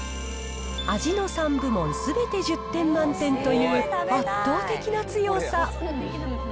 味の３部門すべて１０点満点という圧倒的な強さ。